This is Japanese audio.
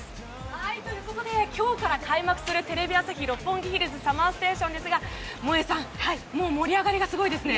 ということで今日から開幕するテレビ朝日・六本木ヒルズＳＵＭＭＥＲＳＴＡＴＩＯＮ萌さん、盛り上がりがものすごいですね。